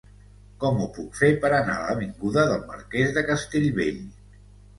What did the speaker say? Com ho puc fer per anar a l'avinguda del Marquès de Castellbell?